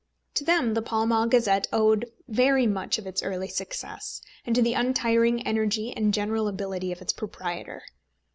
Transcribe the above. To them the Pall Mall Gazette owed very much of its early success, and to the untiring energy and general ability of its proprietor.